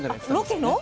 ロケの？